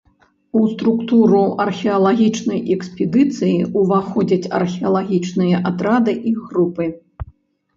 У структуру археалагічнай экспедыцыі ўваходзяць археалагічныя атрады і групы.